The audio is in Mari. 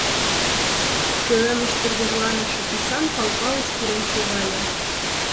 Пӧлемыш тургыжланыше тӱсан Пал Палыч пурен шогале.